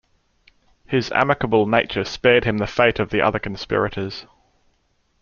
His amicable nature spared him the fate of the other conspirators.